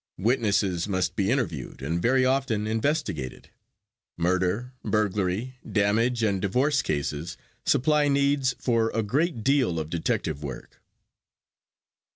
Witnesses must be interviewed, and very often investigated. Murder, burglary, damage and divorce cases supply needs for a great deal of detective work.